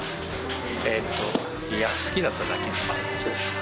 えっと、いや、好きだっただけですね。